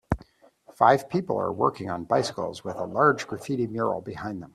Five people are working on bicycles with a large graffiti mural behind them